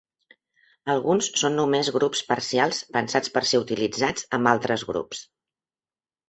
Alguns són només grups parcials, pensats per ser utilitzats amb altres grups.